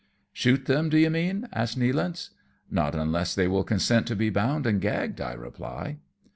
" Shoot them, do you mean ?" asks Nealance. "Not unless they will consent to be bound and gagged," I reply.